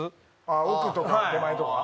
奥とか手前とか？